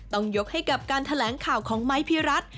ต้องยกให้กับการแถลงข่าวของไม้พี่รัฐ